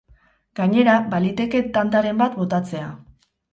Gainera, baliteke tantaren bat botatzea.